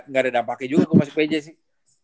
gak ada dampaknya juga gue masih pj sih